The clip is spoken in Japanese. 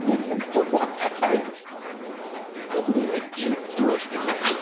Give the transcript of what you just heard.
ここでギュッと押して下さい。